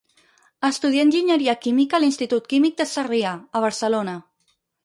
Estudià enginyeria química a l'Institut Químic de Sarrià, a Barcelona.